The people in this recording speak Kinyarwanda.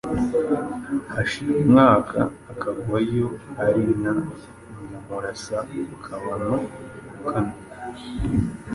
hashira umwaka akagwayo; hari na Nyamurasa Kabano wa kane